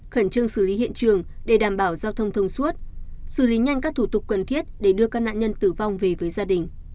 khẩn trương xử lý hiện trường để đảm bảo giao thông thông suốt xử lý nhanh các thủ tục cần thiết để đưa các nạn nhân tử vong về với gia đình